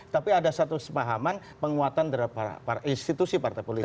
tapi ada satu kesepahaman penguatan terhadap para institusi partai politik